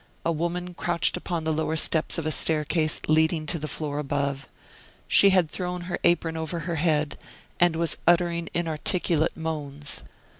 A woman crouched upon the lower steps of a staircase leading to the floor above. She had thrown her apron over her head, and was uttering inarticulate moans.